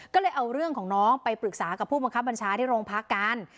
ก็เลยเอาเรื่องของน้องไปปรึกษากับผู้บังคับบัญชาที่โรงพักกัน